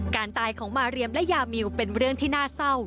การตายของมาเรียมและยามิวเป็นเรื่องที่น่าเศร้า